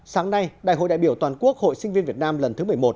sáng nay đại hội đại biểu toàn quốc hội sinh viên việt nam lần thứ một mươi một